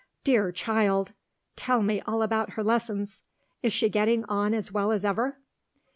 Dear child! tell me all about her lessons. Is she getting on as well as ever?"